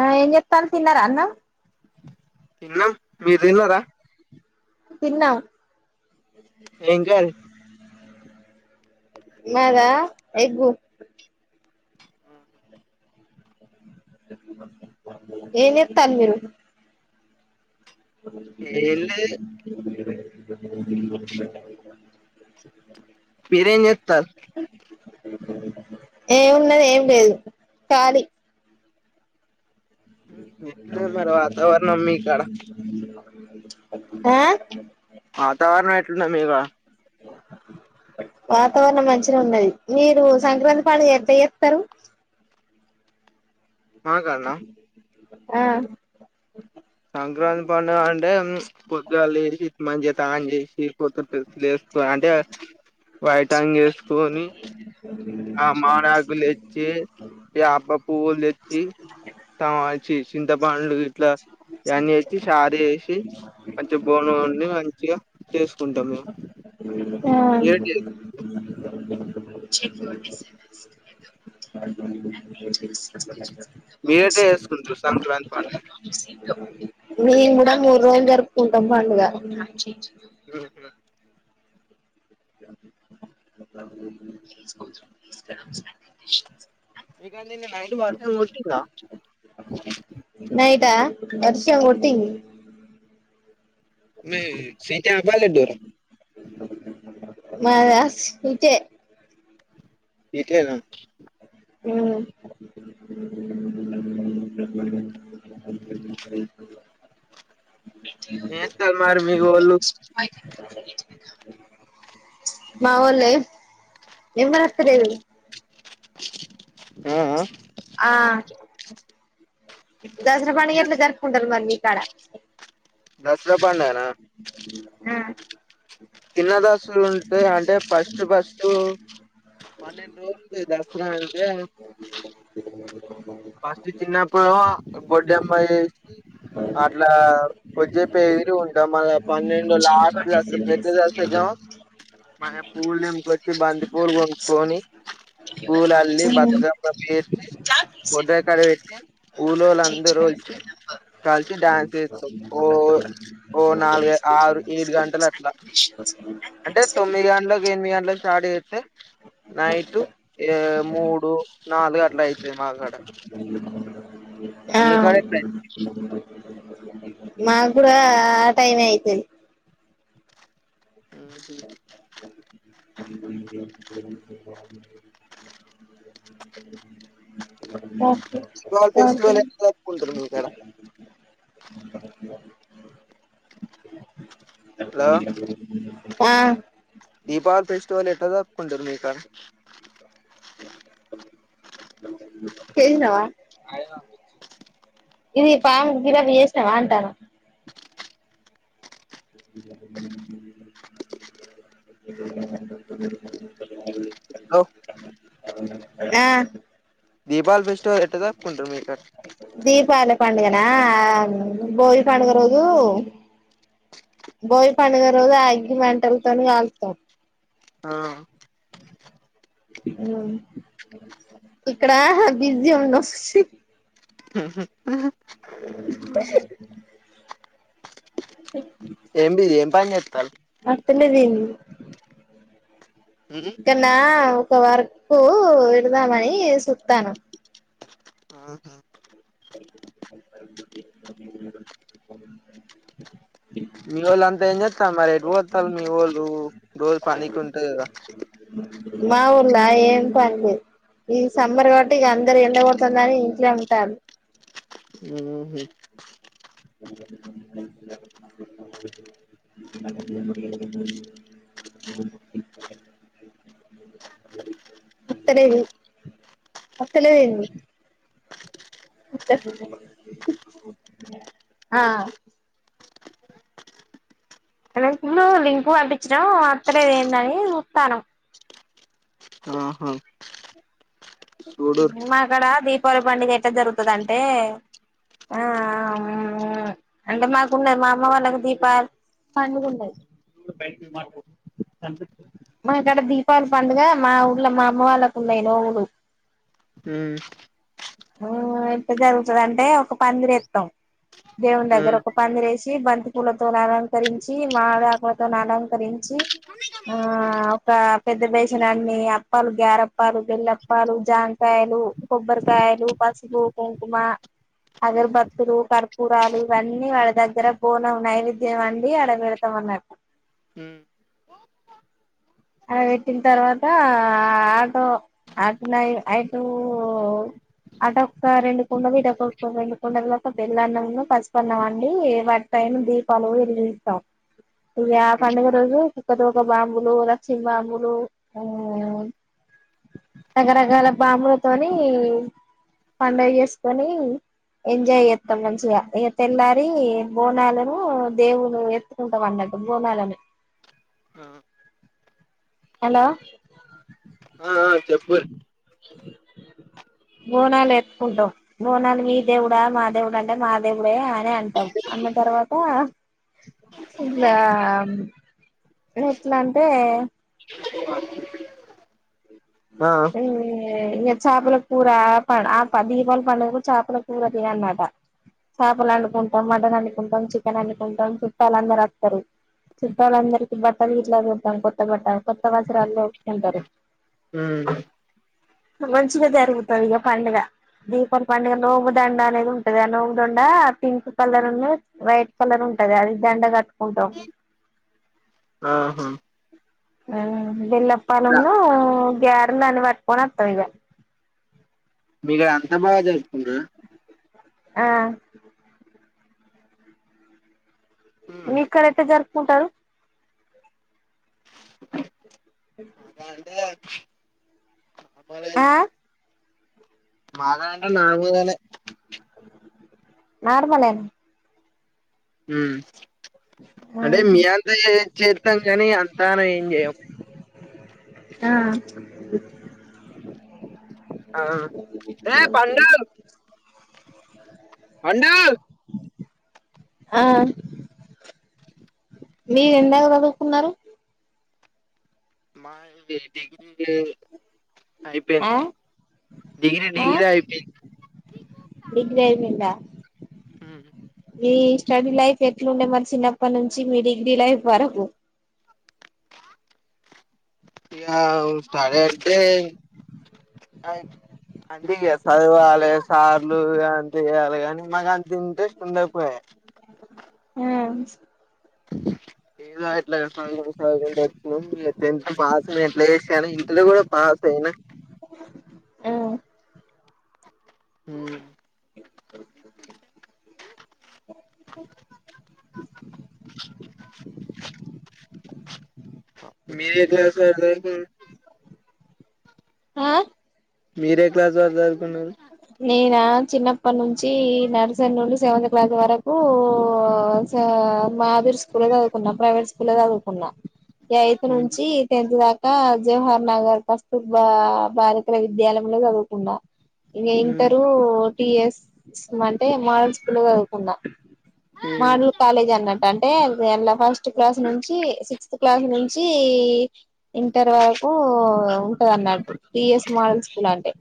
ఆ ఏం జేత్తాళ్ళు తిన్నరా అన్నం తిన్నం మీర్ దిన్నరా తిన్నామ్ ఏం కర్రి మాదా ఎగ్గు ఏం జేత్తాళ్ళు మీరు ఏం లేదు మీరెం జేత్తార్ ఏమున్నది ఏం లేదు ఖాళీ ఎట్లున్నది మరి వాతావరణం మీ కాడ ఆ వాతావరణం ఎట్లున్నది మీ కాడ వాతావరణం మంచినే ఉన్నది, మీరు సంక్రాంతి పండుగ ఎట్ల జేత్తరు మాకాన్న ఆ సంక్రాంతి పండుగ అంటే ఉమ్ పొద్దుగాల లేషి మంచిగ తానం జేసి కొత్త డ్రెస్లులు ఎసుకొ అంటే వైటంగి ఎసుకోని ఆ మామిడాకుల్ దేచ్చి, యాప పువ్వుల్ దేచ్చి టమా చ్చి చింతపండు గిట్ల అయన్నీ ఏషి షారు జేషి మంచిగ భోజనం వండి మంచిగ చేసుకుంటం మేము మీరెట్ల ఆ మీరేట్ల చేసుకుంట్రు సంక్రాంతి పండుగని మేము గూడ మూడు రోజులు జరుపుకుంటం పండుగ ఉమ్ మీ కాడ నిన్న నైట్ వర్షం గొట్టిందా నైటా వర్షం గొట్టింది మీది సిటా పల్లెటూరా మాదా సిటే సిటియేనా ఉమ్ ఏం జేస్తరు మరి మీ వొళ్ళు [inaudible] మా వొళ్ళే ఏం గనొత్తలేదు ఆ అ ఆ దసరా పండుగ ఎట్లా జరుపుకుంటారు మరి మీకాడ దసరా పండుగ నా ఆ చిన్న దసరా ఉంటాయి అంటే ఫస్ట్ ఫస్ట్ పన్నెండు రోజులు ఉంటది దసరా అంటే ఫస్ట్ చిన్నప్పుడు బొడ్డెమ్మ చేసి అట్లా కొద్దిసేప ఎగిరి ఉంటాం మళ్ళ పన్నెండు లాస్ట్ దసరా పెద్ద దసరకేమో మళ్ళ పువ్వులు తెంపుకొచ్చి బంతి పూలు కొనుక్కొని పూల్ అల్లి బతుకమ్మ పేర్చి బొడ్రాయి కాడ పెట్టి ఊళ్లోళ్ళు అందరూ ఒచ్చి కలిసి డ్యాన్స్ చేస్తాం ఓ ఓ నాలుగు ఆరు ఏడు గంటలు అట్లా అంటే తొమ్మిది గంటలకు ఎనిమిది గంటలకు స్టార్ట్ చేస్తే నైట్ ఏ మూడు నాలుగు అట్ల అయితయి మాకాడ ఆ మీకాడ ఎట్లా మాకు కూడా ఆ టైమే అయితది ఉమ్ హు [inaudible] ఆ [unintelligible] ఫెస్టివల్ ఎట్ల జరుపుకుంటారు మీ కాడ హలో ఆ దీపావళి ఫెస్టివల్ ఎట్లా జరుపుకుంటారు మీ కాడ పోయినవా అదే పంపించింది ఇది పాము ఫిలప్ చేసినవ అంటాన [inaudible] [inaudible] బ్రో ఆ దీపావళి ఫెస్టివల్ ఎట్లా జరుపుకుంటారు మీ కాడ దీపావళి పండుగనా భోగి పండుగ రోజు భోగి పండుగ రోజు అగ్గి మంటలతోని కాల్తం ఆ ఉమ్ ఇక్కడ బీజి ఉన్నం ఉహు ఉహు [inaudible] [unintelligible] ఏం బిజీ ఏం పని చేతల్లు అత్తలే ఏంది ఉమ్. ఇంకన్నా ఒక వర్క్ పెడదాం అని సుత్తానం ఆహా మీవొళ్ళు అంతా ఏం చెత్తన్లు మరి ఎటు పొయ్యి వత్తాన్లు మీవోళ్ళు రోజు పనికి ఉంటది కదా మావోల్ల ఏం పని లేదు ఇది సమ్మర్ గవట్టి ఈగ అందరు ఎండగడుతుందని ఇంట్లో ఉంటారు ఉహూ [inaudible] [inaudible] [inaudible] అత్తలేదు అత్తలేదేంది ఉత్తకు ఆ ఆ [unintelligible] లు లింకు పంపించినావ్ అత్తలేదు ఏందని చుత్తానం ఆహా చూడుర్రి మాకాడ దీపావళి పండగ ఎట్లా జరుగుతదంటే ఆ అంటే మాకున్నది మా అమ్మ వాళ్ళకు దీపాల్ పండుగున్నది మాకాడ దీపాలి పండుగ మా ఊళ్ళో మా అమ్మ వాళ్ళకి ఉన్నయి నోములు. మ్మ్ మ్ ఎట్ట జరుగుతది అంటే ఒక పందిరేత్తం దేవుని దగ్గర హ్మ్ ఒక పందిరేసి బంతి పూలతోని అలంకరించి మామిడాకుల తోని అలంకరించి ఆ ఒక పెద్ద బేషన్ అన్ని అప్పాలు, గారేప్పాలు, బెల్లప్పాలు, జాంకాయలు కొబ్బరికాయలు, పసుపు, కుంకుమా అగరబత్తులు, యకర్పూరాలు ఇవన్నీ వాళ్ళ దగ్గర బొనం నైవేద్యం అండి ఆడ వెడత్ తమన్నారు హ్మ్ అడ వెట్టిన తర్వాత ఆటో ఆట్ నై నైటూ అటొక్క రెండు కుండలు ఇటుకొక్క రెండు కుండలు ఒక తెల్లన్నం అన్నూ పసుపన్నం అండి వం పైన దీపాలు వెలిగిస్తాం ఇగ పండుగ రోజు కుక్కతోక బాంబులు ల చ్చిం బాంబులు ఊ రకరకాల బాంబులతోని పండగ చేసుకొని ఎంజాయ్ చేత్తం మంచిగ ఇగ తెల్లారి బోనాలను దేవుళ్ళు ఎత్తుకుంటం అన్నట్టు బోనాలని ఆ హలో ఆ ఆ, చెప్పు బోనాలు ఎత్తుకుంటం బోనాలు మీ దేవుడా మా దేవుడా అంటే మా దేవుడే అని అంటం అన్న తర్వాతా ఇగా ఎట్లంటే ఆ ఏ ఎ ఇంగ చాపల కూర ఆ ప ఆ ప దీపాలి పండగకు చాపల కూర తినాల్నట చాపలు వండుకుంటాం మటన్ వండుకుంటాం చికెన్ వండుకుంటాం చుట్టాలందరు వత్తరు చుట్టాలందరికి బట్టలు గిట్ల పెట్టాం కొత్త బట్టలు కొత్త వస్త్రాలు తొడుకుంటరు మ్ మంచిగ జరుగుతది ఇగ పండుగ దీపాలి పండుగ నోము దండ అనేది ఉంటది ఆ నోము దండ పింక్ కలర్ అన్ను వైట్ కలర్ ఉంటది అది దండ కట్టుకుంటం ఆహ బెల్లప్పాలన్నూ గ్యారలు అన్ని పట్టుకొని వత్తం ఇగ మీ కాడ అంత బాగా జరుపుకుంటరా ఆ హ్మ్ మీకాడ ఎట్ట జరుపుకుంటరు? గంటే ఆ మాగా అంటె నా మీదనే నార్మలేన మ్ అంటె మీ అంతే చేత్తంగానీ అంతగ ఏం చెయ్యం ఆ ఆ ఏ పండు పండూ ఆ మీరు ఎందాక చదువుకున్నరు మాయి డిగ్రీ అయి అయిప్ ఆ పెయింద్ డిగ్రీ ఆ డిగ్రీ అయిపెయింద్ డిగ్రీ అయిపోయిందా మీ స్టడీ లైఫ్ ఎట్లుండే మరి చిన్నప్పటి నుంచి మీ డిగ్రీ లైఫ్ వరకు ఇగ స్టడీ అంటే అంటే ఇగ చదవాలి సార్లు అంత చేయాలి కానీ మాకు అంత ఇంట్రెస్ట్ ఉండకపోయె ఉమ్ ఏదట్లా [unintelligible] ఇగ టెన్త్ పాస్ ఎట్లా చేసినాగాని ఇంటరు కూడా పాస్ అయినా ఉమ్ ఉమ్ మీరు యే క్లాస్ వరకు చదువుకున్రు ఆ మీరే క్లాస్ వరకు చదువుకున్నారు నేనా చిన్నప్పటి నుంచి నర్సరి నుండి సెవెంత్ క్లాస్ వరకు మాదురి స్కూల్లో చదువుకున్నా ప్రైవేట్ స్కూల్లో చదువుకున్నా ఎయితు నుంచి టెన్త్ దాకా జవహర్ నగర్ కస్తూర్బా బాలికల విద్యాలయంలో చదువుకున్నా ఇంగ ఉమ్. ఇంటరు టిఎస్ అంటే మోడల్ స్కూల్లో చదువుకున్నా మోడల్ కాలేజ్ అన్నట్టు అంటే అల్ల ఫస్ట్ ఫస్ట్ క్లాస్ నుంచి సిక్స్త్ క్లాస్ నుంచి ఇంటర్ వరకు కాదన్నాడు టిఎస్ మోడల్ స్కూల్ అంటే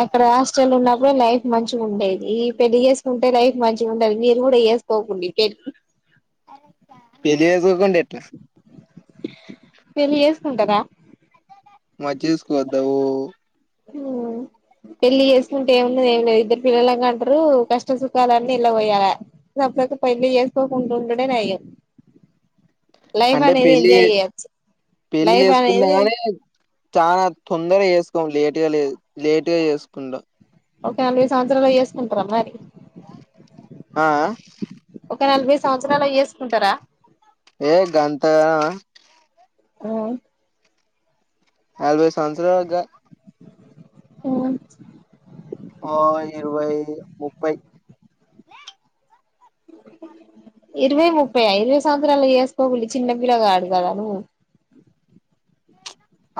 అక్కడ హాస్టల్ లో ఉన్నప్పుడు లైఫ్ మంచి గుండేది పెళ్లిచేసుకుంటే లైఫ్ మంచిగ ఉండది మీరు కూడా చేసుకోకుండి పె పెళ్లి చేసుకోకుంటే ఎట్లా పెళ్ళి చేసుకుంటరా మరిచేస్సుకోద్దావు పెళ్లి చేసుకుంటే ఏముంది ఏం లేదు ఇద్దరు పిల్లలని కంటరు కష్ట సుఖాలన్నీ ఇళ్ల పోయాల [unintelligible] కాక పెళ్లి చేసుకోకుండా ఉండుడే నయం లైఫ్ అంటే అనేది పెళ్లి ఎంజాయ్ చేయొచ్చు పెళ్లి లైఫ్ చేసుకున్నా అనేది కానీ చాన తొందరగా చేసుకోం లేటు గా లే లేటుగా చేసుకుండు ఒక నలభై సంవత్సరాలలో జేసుకుంటరా మరి ఆ ఆ ఒక నలభై సంవత్సరాలకు జేసుకుంటరా ఏ గంత గణమ ఊ నలభై సంవత్సరాల్ గా ఊ ఓ ఇరవై ముప్పై ఇరవై ముప్పై ఇరవై సంవత్సరాలకు చేసుకోకులి చిన్నపిల్లగాడు కదా నువ్వు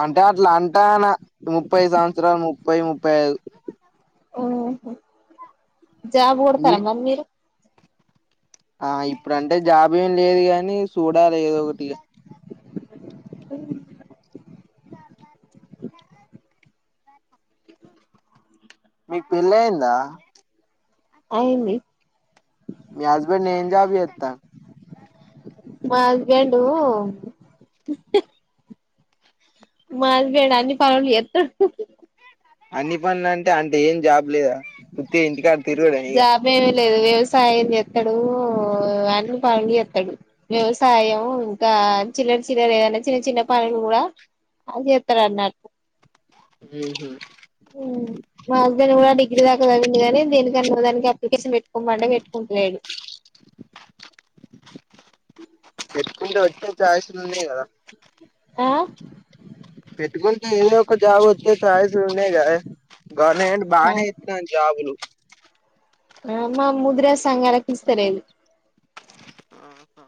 అంటే అట్లా అంటాన ముప్పై సంవత్సరాలు ముప్పై ముప్పై ఐదు ఊహు జాబు మీ కొడతార మరి మీరు ఆ ఇప్పుడంటే జాబ్ ఏం లేదు గాని చూడాలె ఏదో ఒకటి ఇగ మీకు పెల్లయిందా అయింది మీ హస్బెండ్ ఏం జాబ్ జేత్త మా హస్బెండు మా హస్బెండ్ అన్ని పనులు జేత్తడు అన్ని పనులంటే అంటే ఏం జాబ్ లేదా ఉత్తిగ ఇంటికాడ తిరుగుడే ఇగ వేమి లేదు వ్యవసాయం జేత్తడు అన్నీ పనులు జేత్తడు వ్యవసాయం ఇంకా చిల్లర చిల్లర ఏదనా చిన్న చిన్న పనులు గుడా అది జేత్తడ్ అన్నాట్ ఊహు ఊ మా హస్బెండ్ గుడా డిగ్రీ దాకా చద్విండు గాని దేనికన్న ఒకదానికి అప్లికేషన్ పెట్టుకోమంటే పెట్టుకుంటలేడు [unintelligible] ఛాయస్లు ఉన్నాయి గదా ఆ పెట్టుకుంటే ఏదో ఒక జాబ్ వచ్చే ఛాయస్లు ఉన్నాయ్ గదా గవర్నమెంట్ బానే ఇస్తాంది జాబులు ఆ మా ముదిరే సంఘాలకిస్తాలేదు ఆహా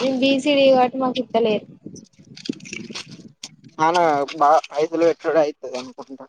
మేం బీసిడి గాబట్టి మాకు ఇత్తలేరు [unintelligible] బా ఐదులు [unintelligible] అయితది అనుకుంట